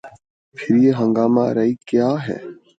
پھر یہ ہنگامہ آرائی کیا ہے؟